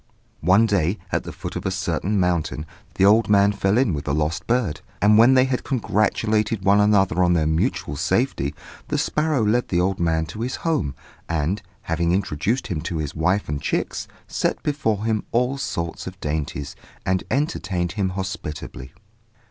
One day, at the foot of a certain mountain, the old man fell in with the lost bird; and when they had congratulated one another on their mutual safety, the sparrow led the old man to his home, and, having introduced him to his wife and chicks, set before him all sorts of dainties, and entertained him hospitably.